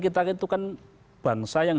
kita itu kan bangsa yang